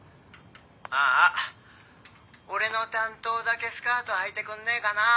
「あーあ俺の担当だけスカートはいてくんねえかな」